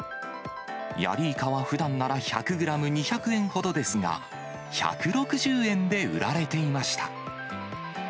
ヤリイカはふだんなら１００グラム２００円ほどですが、１６０円で売られていました。